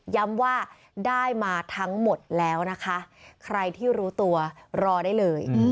ย้ำว่าได้มาทั้งหมดแล้วนะคะใครที่รู้ตัวรอได้เลย